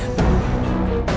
jadi suara bayi dimana ya